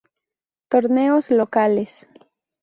Torneos locales